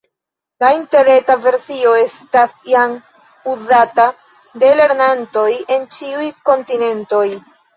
La interreta versio estas jam uzata de lernantoj en ĉiuj kontinentoj.